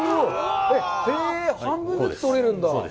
半分ずつ取れるんだ！？